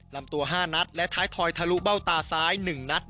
ลำตัว๕นัดและท้ายทอยทะลุเบ้าตาซ้าย๑นัด